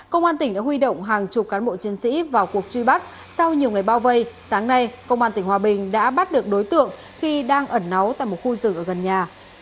công an tỉnh đã huy động hàng chục cán bộ chiến sĩ vào cuộc truy bắt sau nhiều ngày bao vây sáng nay công an tỉnh hòa bình đã bắt được đối tượng khi đang ẩn náu tại một khu rừng ở gần nhà